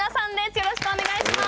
よろしくお願いします。